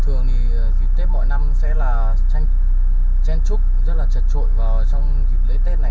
thường thì tết mỗi năm sẽ là chen trúc rất là trật trội vào trong dịp lễ tết này